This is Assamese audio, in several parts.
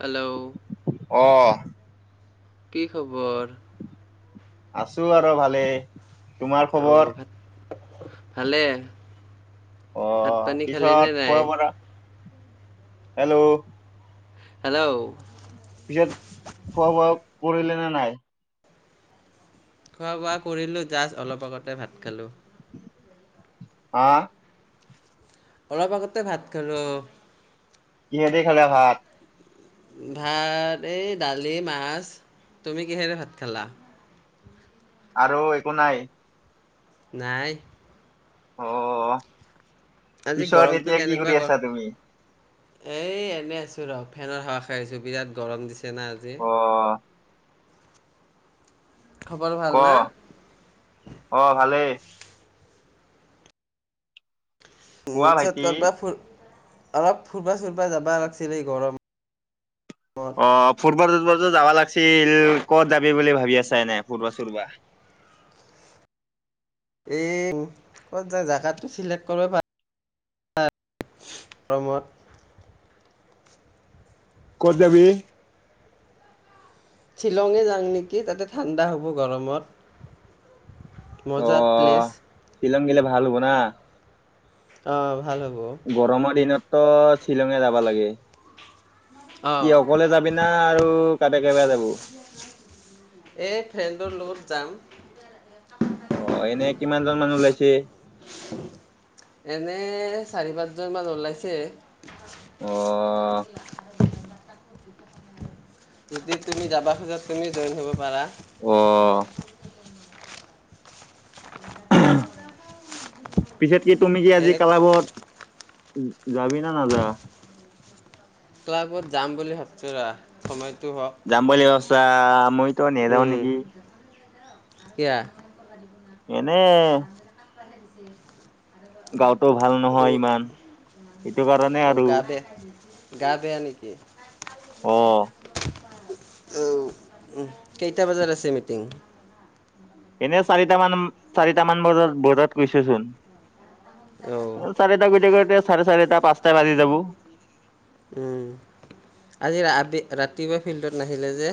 হেল্ল' অ কি খবৰ? আছো আৰু ভালে। তোমাৰ খবৰ? খালে? অ'হ পিছত খোৱা পৰা হেল্ল' হেল্ল' পিছত খোৱা -বোৱা কৰিলে নে নাই? খোৱা-বোৱা কৰিলো। জাষ্ট অলপ আগতে ভাত খালো। আহ। অলপ আগতে ভাত খালোঁ। কিহেদি খালে ভাত? ভাত এই দালি মাছ। তুমি কিহেৰে ভাত খালা? আৰু একো নাই? নাই। অ'হ। আজি পিছত গৰমটো এতিয়া কি কেনেকুৱা কৰি গৰম আছা তুমি? এই এনেই আছো ৰ', ফেনৰ হাৱা খাই আছো বিৰাট গৰম দিছে। তেনাই আজি, অ', খবৰ ভাল কহ না? ', অ, ভালেই। উম, কোৱা পিচত ভাইটি। কৰবা ফোন। অলপ ফুুৰবা- চুুৰবা যাবা লাগিছিল এই গৰম, অহ', ফুৰব -চুৰবাতো যাবা লাগিছিল, ক'ত যাবি বুলি ভাবি আছা এনে ফুৰবা- চুৰবা? এ', ক'ত যায় জাগাটো চিলেক্ট কৰব পাৰি, [unintelligible] ক'ত যাবি? শ্বিলঙে জাং নেকি তাতে ঠাণ্ডা হ'ব গৰমত। মজা অ', প্লেছ। শ্বিলং গিলে ভাল হ'ব না। অহ, ভাল হ'ব। ত, শ্বিলঙে যাবা লাগে। কি, অ' অকলে যাবি না, আৰু কাবাই- কাবাই যাব? এই ফ্ৰেণ্ডৰ লগত যাম অহ ', এনে কিমানজন মানুহ ওলাইছে? কেইজন মান ওলাইছে। অহ ', যদি তুমি যাবা খোজা তুমি জইন হ'ব পাৰা। অহ, ' পিছে, কি তুমি কি আজি এনে ক্লাবত, যাবি না নাযা? ক্লাবত যাম বুলি ভাবছো ৰ ', সময়ত যাম বুলি ভাবছা। আঃ মই, - তই নেযাও উম নেকি? কিয়া? এনে, [unintelligible] গাঁওত। -টো ভাল নহয় ইমান। এইটো কাৰণে আৰু, গা-বেয়া নেকি? অহ অ উ কেইটা বজাত আছে মিটিং এনে চাৰিটামান চাৰিটামান বজাত বজাত গৈছেচোন অ' চাৰিটা কেতিয়া গে চাৰে চাৰেিটা পাঁচটা বাজি যাব উম আজি ৰাতিপুৱা ফিল্ডত নাহিলে যে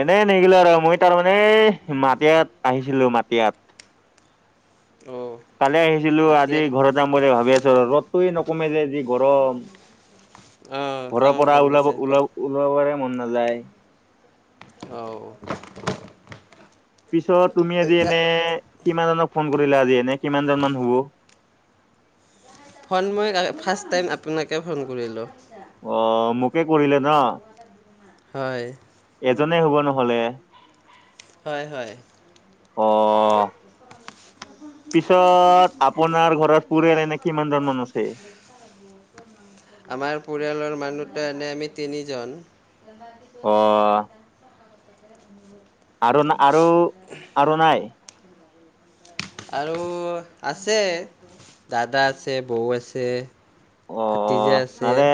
এনেই নেগিলো আৰু মই তাৰমানে এই মাটিয়াত আহিছিলো মাটিয়াত কালি আহি ছিলো আজি মাটিয়ে ঘৰত যাম বুলি ভাবি আছো আৰু ৰত কতে নকমে যে যি গৰম অঁ ঘৰৰ তামাম পৰা কাম ওলাব দিছে ক ওল ওলাবাৰে মন নাযা ওলাই অও পিছত তুমি আজি এতিয়া এনে কিমানজনক ফোন কৰিলা আজি এনে কিমানজন মান হ'ব ফোন মই ফাৰ্ষ্ট টাইম আপোনাকে ফোন কৰিলোঁ অ মোকে কৰিলে ন হয় নে হ'ব নহলে হয় হয় অ পিছত আপোনাৰ ঘৰত পৰিয়াল এনে কিমানজন মান আছে আমাৰ পৰিয়ালৰ মানুহটো এনে আমি তিনিজন অ আৰু ন আৰু আৰু নাই আৰু আছে দাদা আছে বৌ আছে অ ভাতিজা আছে ভালনে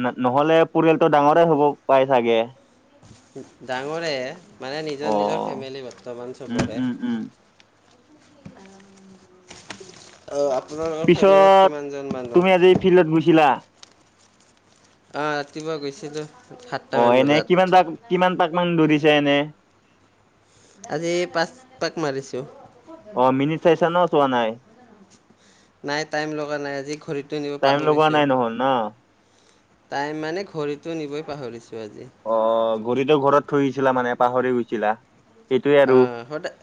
ন নহ'লে পৰিয়ালটো ডাঙৰে হ'ব পাই চাগে ডাঙৰে মানে অ নিজৰ নিজৰ ফেমিলি বৰ্তমান উম চবৰে উম উম অ পিছত তুমি আজি ফিল্ডত গৈছিলা অহ ৰাতিপুৱা গৈছিলো অ এনে কিমানটা কিমান পাক কিমান দৌৰিছে এনে আজি পাঁচ পাক মাৰিছো। অ মিনিট চাইছা ন চোৱা নাই নাই টাইম লগা নাই আজি ঘড়ীটো নিব টাইম লগোৱা পাহৰিছোঁ নাই নহল ন তাই মানে ঘড়ীটো নিবই পাহৰিছো অ ঘড়ীটো ঘৰত থৈ আহিছিলা মানে পাহৰি গৈছিলা সেইটোৱে অ আৰু সদায়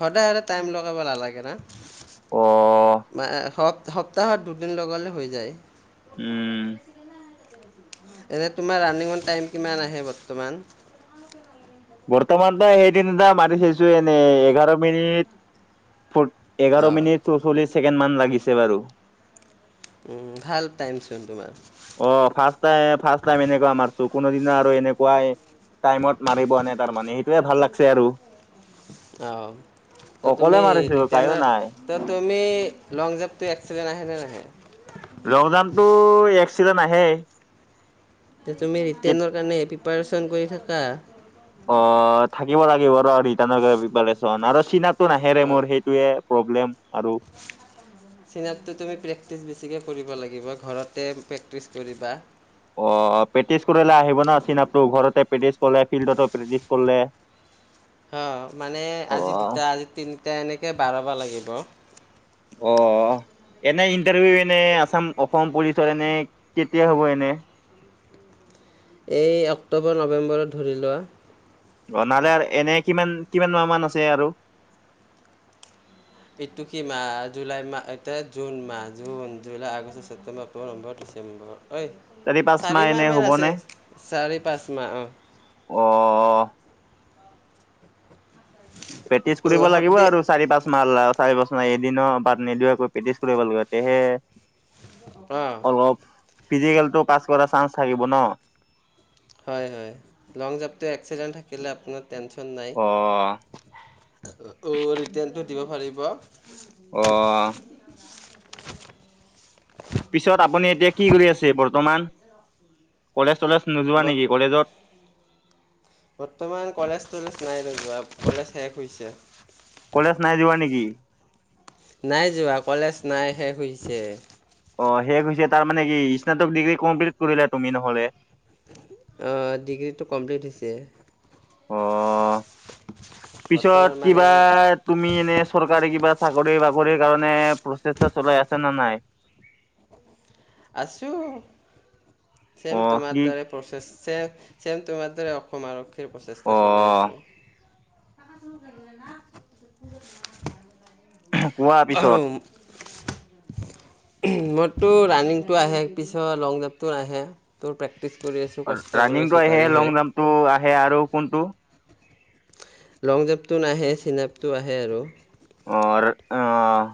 সদায় সদায় টাইম লগাব নালাগে না অ মা হওক সপ্তাহত দুদিন লগালে হৈ যায় উম এনে তোমাৰ ৰানিঙৰ টাইম কিমান আহে বৰ্তমান? বৰ্তমান তই সেইদিন এটা মাৰি চাইছো এনেই এঘাৰ মিনিট ফ এঘাৰ অঁ মিনিট চৌচল্লিশ ছেকেণ্ড মান লাগিছে বাৰু ভাল টাইম চোন তোমাৰ অ ফাৰ্ষ্ট ফাৰ্ষ্ট টাইম এনেকুৱা মাৰছো কোনোদিনা আৰু এনেকুৱাই টাইমত মাৰিব নে- তাৰ মানে সেইটোয়ে ভাল লাগছে আৰু অঁ তো অকলে তুমি মাৰিছো কাইো ৰিটাৰ্ণ নাই তো তুমি লং জাপটো এক্সলেন আহে নে নাহে ল‍ংজানটো এক্সিলেন আহে তুমি কি ৰিটেনৰ কাৰণে পি- পাৰেচন কৰি থকা অ থাকিব লাগিব আৰু ৰিটাৰ্ণ কে পিপাৰেচন আৰু চিন আপ টো নাহে ৰে অঁ মোৰ সেইটোয়ে প্ৰব্লেম আৰু চিনাপটো তুমি প্ৰেক্টিচ বেছিকৈ কৰিব লাগিব ঘৰতে প্ৰেক্টিচ কৰিবা অ প্ৰেক্টিছ কৰিলে আহিব ন চিনাপটো ঘৰতে প্ৰেক্টিচ কৰিলে ফিল্ডতো প্ৰেক্টিছ কৰিলে অ মানে অ আজি দুটা আজি তিনটা এনেকে বাঢ়াব লাগিব অ হ এনে ইন্টাৰভিউ এনে আসাম অসম পুলিচৰ এনে কেতিয়া হ'ব এনে? এই অক্টোবৰ নৱেম্বৰত ধৰি লোৱা। বনালে এনে কিমান কিমান মাহ মান আছে? আৰু এই টো কি মাহ জুলাই মাহ এতিয়া জুন মাহ June, July, August, September, October, November, December. হয়। পাঁচ চাৰি এনে মাহ মান আছে হ'বনে চাৰি পাঁচ মাহ। অ অ প্ৰেক্টিছ কৰিব লাগিব সদে আৰু চাৰি পাঁচ মাহ চাৰি পাঁচ মাহ এদিনো বাদ নিদিয়াকৈ প্ৰেক্টিছ কৰিব লাগিব। তেহে।। অ অলপ ফিজিকেলটো পাছ- কৰা চাঞ্চ থাকিব ন? হয় হয় লং জাপটো এক্সিলেণ্ট থাকিলে আপোনাৰ টেনচন নাই। অ' অ ৰিটেৰ্ণ টোত দিব পাৰিব। অহ আ পিছত আপুনি এতিয়া কি কৰি আছে বৰ্তমান? কলেজ।। চলেজ নোযোৱা ব নেকি কলেজত বৰ্তমান কলেজ তলেজ নাই ৰ যোৱা। কলেজ শেষ হৈছে। কলেজ নাই যোৱা নেকি? নাই যোৱা কলেজ নাই শেষ হৈছে। অ শেষ হৈছে তাৰ মানে কি স্নাতক ডিগ্ৰী কমপ্লিট কৰিলা? তুমি নহলে ডিগ্ৰীটো কমপ্লিট হৈছে। অ। পিছত বৰ্তমান মানে কিবা তুমি এনে চৰকাৰে কিবা।। চাকৰি বাকৰিৰ কাৰণে প্ৰচেষ্টা চলাই আছা নে নাই? আছোঁ। চেম অ' তোমাৰ কি দৰে প্ৰচেছ। চেম চেম তোমাৰ দৰে অসমাৰক। প্ৰচেষ্টা চলাই অ' আছোঁ। [inaudible] কোৱা পিছত? মোৰতো ৰানিংটো আহে পিছত লং জাম্পটো নাহে তোৰ প্ৰেক্টি।। [unintelligible] ৰাণিংটো আহে লং জাম্পটো আহে আৰু কোনটো? লং জাম্পটো নাহে চিন আপটো আহে আৰু। অ আহ।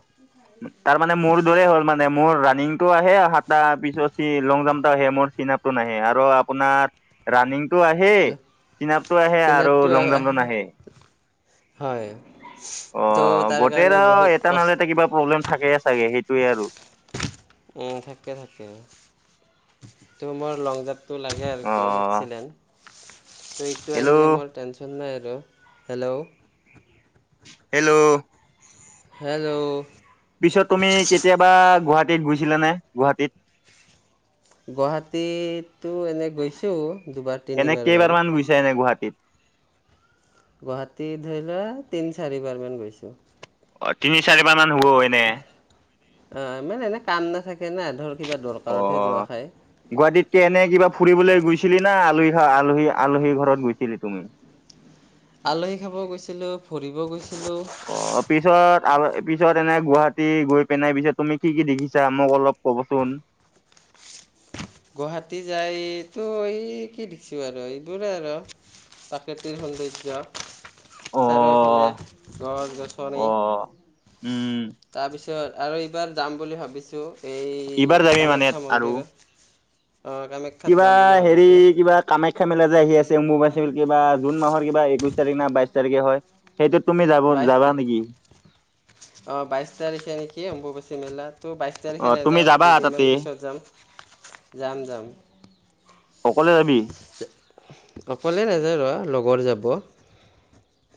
তাৰ মান মোৰ দৰেই হল মানে।। মোৰ ৰানিংটো আহে সাতটা পিছত ল জাম আহে মোৰ চিনাপটো নাহে আৰু আপোনাৰ ৰানিংটো ৰানিংটো আহে চিনাপটো আহে চিনাপটো লং জাপটো আহে। নাহে হয় অ ত' তাৰ কাৰণে গোটেইৰা বহুত এটা নহলে কষ্ট এটা কিবা প্ৰব্লেম থাকেইে চাগে সেইটোয়ে আৰু উম থাকে থাকে ত মোৰ লং জ টো লাগে আৰু অ কি এক্সিডেণ্ট ত এইটো হেল্ল' আহিলে মোৰ টেনচন নাই হেল্ল' হেল্ল' হেল্ল' পিছত তুমি কেতিয়াবা গুৱাহাটী গুৱাহাটীত গুৈছিলা নে গুৱাহাটীত গুৱাহাটীটো এনেই গৈছোঁ দুবাৰ এনে তিনিবাৰমান। কেইবাৰ মান গুছে এনে গুৱাহাটীত গুৱাহাটীত ধৰি লোৱা তিন-চাৰিবাৰ মান গৈছোঁ। [unintelligible] মান হ'ব এনে এহ - অহ - ইমান এনে কাম নাথাকে না ধৰ কিবা অ দৰকাৰতহে যোৱা খাই। ছিলি না আলহী খা - আলহী - আলহী ঘৰত গৈছিলি তুমি? আলহী খাব গৈছিলো, ফুৰিব গৈছ অ' পিছত আৰু পিছত এনে গুৱাহাটী গৈ পেনাই পিছে তুমি কি কি দেখিছা মোক অলপ কবচোন? গুৱাহাটী যাইতো এই কি দিকচু আৰ' এইবোৰে আৰ' প্ৰাকৃতিৰ সোন্দৰ্য। চাৰিওফালে অ', গছ গছনি অ'। উম। তাৰপিছ [unintelligible] আৰু এইবাৰ যাম বুলি ভাবিছোঁ। এই ইবাৰ যাবি কামাখ্যা মানেত আৰু মন্দিৰ অঁ কামাখ্যাত কিবা যাম বুলি হেৰি ভাবিছোঁ কিবা কামাখ্যা মেলা যে আহি আছ [unintelligible] কিবা জুন মাহৰ কিবা একৈছ তাৰিখ না বাইছ তাৰিখে হয়। সেইটোত তুমি যাব বাইছ যাবা তা নেকি? - অ' বাইছ তাৰিখে নেকি অম্বুবাচী [unintelligible] তো বাইছ তাৰিখে অ', নে, তুমি যাবা তাতে? দুদিনমান পিছত যাম। যাম যাম। অকলে যাবি? অকলে নেযাওঁ ৰ' লগৰ যাব।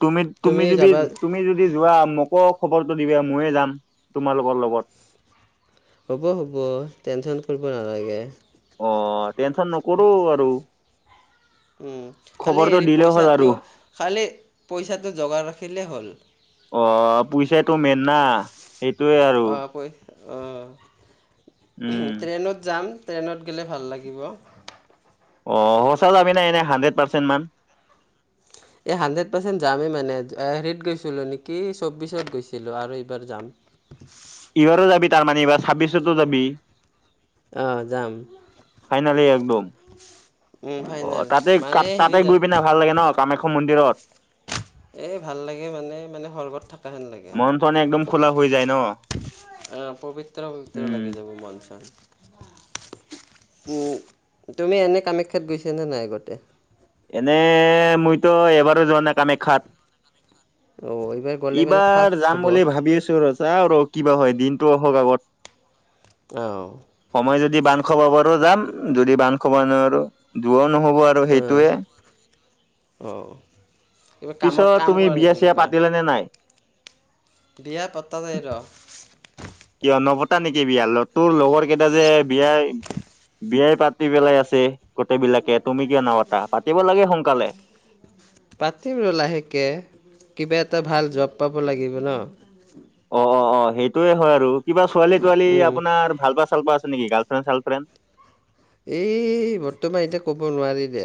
তুমি, তুমি যদি - তুমি যদি যোৱা মোকো খবৰটো দিবি ময়ে যাম তোমালোকৰ লগত হ'ব হ'ব, টেনছন কৰিব নালাগে। অ' টেনচন নকৰো আৰু উম। খালি খবৰটো হেৰি দিলেই হ'ল আৰু। পইচাটো খালি পইচাটো জোগাৰ ৰাখিলে হ'ল। অ' পইচাটো মেন না সেইটোৱে আৰু। অঁ পই উম অঁ। ট্ৰেইনত যাম। ট্ৰেইনত গেলে ভাল লাগিব। অ সঁচা যাবি না এনে হাণ্ড্ৰেড পাৰ্চেণ্ট মান এই হাণ্ড্ৰেড পাৰ্চেণ্ট যামে মানে, অ - হেৰিত গৈছিলোঁ নেকি, ছব্বিছত গৈছিলোঁ আৰু এইবাৰ যাম। ইবাৰো যাবি তাৰমানে [unintelligible] ছাব্বিছটো যাবি? অহ যাম। ফাইনেলি একদম। উম অ' ফাইনেল তাতে - মানে কাত - তাতে হেৰি গৈ যায় পিনে ভাল লাগে ন' কামাখ্যা মন্দিৰত? এ ভাল লাগে মানে মানে সৰ্গত থকা হেন লাগে আহ মন চন একদম খোলা হৈ যায় ন পবিত্ৰ পবিত্ৰ উম লাগি যাব মন চন উম তুমি এনে কামাখ্যাত গৈছা নে নাই আগতে এনে মইতো এবাৰো যোৱা নাই কামাখ্যাত অঁ এইবাৰ গ'লে মানে এইবাৰ ফাৰ্ষ্ট হ'ব যাম বুলি ভাবি আছো ৰছ চা আৰু কিবা হয় দিনতটো আহক আগত অহ সময় যদি বান্ধ খাব পাৰো যাম যদি বান্ধ খাব নোৱাৰো দূৱত নহব আৰু অঁ সেইটোৱে অঁ কিবা কামত পিছত কাম তুমি কৰা বিয়া নেকি চিয়া কিবা পাতিলা হয় বিয়া পতা নাই ৰ কিয় নপতা নেকি বিয়া তোৰ লগৰ কেইটা যে বিয়াই বিয়াই পাতি পেলাই আছে গোটেই বিলাকে তুমি কিয় নপতা পাতিব লাগে সোনকালে পাতিম ৰ' লাহেকে কিবা এটা ভাল জব পাব লাগিব ন অ অ অ সেইটোয়ে হয় আৰু কিবা ছোৱালী তোৱালী উম আপোনাৰ ভাল পা চাল পা আ ছে নেকি গাৰ্লফ্ৰেণ্ড চালৰ্ফ্ৰেণ্ড এই বৰ্তমান এতিয়া ক'ব নোৱাৰি দে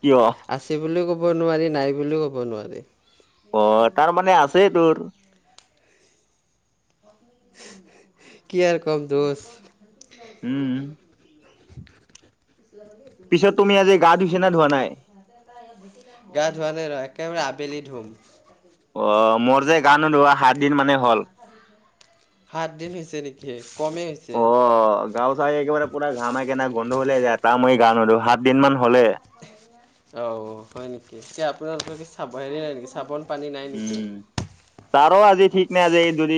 কিয় আছে বুলিও কব ক'ব নোৱাৰি নাই বুলিও ক'ব নোৱাৰি অ তাৰ মানে আছে তোৰ কি আৰ কম দোচ উম পিছত তুমি আজি গা ধুই ছা না ধোৱা নাই গা ধোৱা নাই ৰ একেবাৰে আবেলি ধুম অ মোৰ যে গা নোধোৱা সাত দিন মানে হ'ল সাত দিন হৈছে নেকি কমেই হৈছে অ বন্ধু হলে যায় ত মই গা নুধো সাত দিন মান হলে অ হয় নেকি এতিয়া আপোনালোকৰ পিছে চাব এৰিলে নেকি চাবোন পানী নাই নেকি উম চা ৰ আজি ঠিক নাই আজি যদি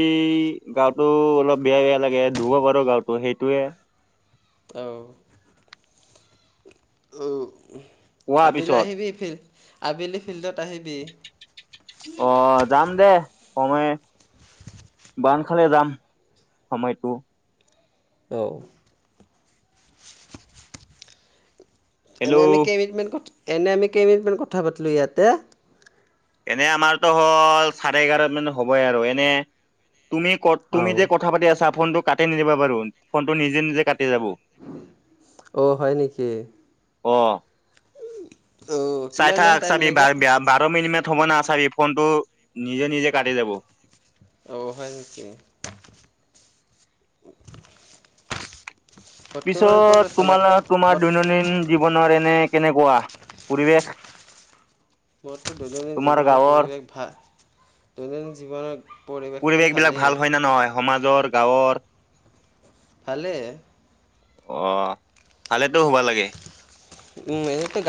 গাতো অলপ বেয়া বেয়া লাগে ধুব পাৰো গাতো সেইটোয়ে অও অ কোৱা আবিলা আহিব ফিৰ আবেলি ফিল্ডত আহিবি অ'হ যাম দে। সময় বান্ধ খালে যাম। সময়টো অ এনে আমি হেল্ল' কে এনে আমি কেইমিনিটমান কথা পাতিলোঁ ইয়াতে? এনে আমাৰতো হ'ল চাৰে এঘাৰমান হ'বই আৰু এনে তুমি ক অ তুমি যে কথা পাতি আছা ফোনটো কাটি নিদিবা বাৰু ফোনটো নিজে নিজে কাট অ'হয় নেকি? অ অ চাই কিমানমান থাক টাইম চাবি লাগে বা- বাৰ মিনিটমান থব নাচাবি ফোনটো নিজে নিজে কাটি যাব। অ হয় নেকি? বৰ্তমান ক'ত পিছত আছা? তোমাল তোমাৰ দৈনন্দিন জীৱনৰ এনে কেনেকুৱা পৰিৱেশ? মোৰতো দৈনন্দিন তোমাৰ জীৱনৰ গাঁৱৰ পৰিৱেশ ভাল। দৈনন্দিন জীৱনত পৰিৱেশ বিলাক ভাল হয় নে নহয় সমাজৰ গাঁৱৰ ভালে। অ'ভালেতো হুবা লাগে। উম এনেতে গ